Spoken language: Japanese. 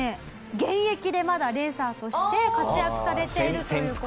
現役でまだレーサーとして活躍されているという事で。